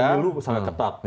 pemilu sangat ketat